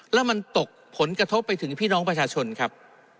แล้วมันตกผลกระทบไปถึงพี่น้องประชาชนครับ